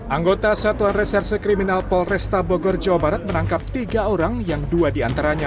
anggota satuan reserse kriminal polresta bogor jawa barat menangkap tiga orang yang dua diantaranya